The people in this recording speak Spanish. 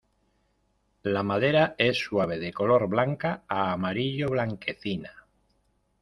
La madera es suave de color blanca a amarillo-blanquecina.